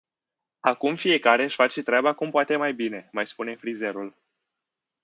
Acum fiecare, își face treaba cum poate mai bine mai spune frizerul.